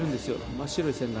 真っ白い線が。